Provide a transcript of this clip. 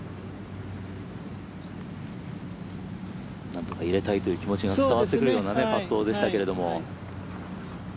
なんとか入れたいという気持ちが伝わってくるようなパットでしたけれど。